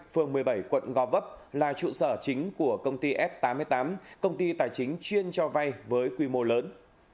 phường một mươi bảy quận gò vấp là trụ sở chính của công ty f tám mươi tám công ty tài chính chuyên cho vay với quy mô lớn